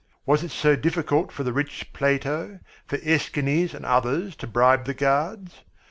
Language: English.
Was it so difficult for the rich Plato, for Æschines and others to bribe the guards?